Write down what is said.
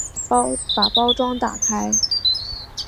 将包装打开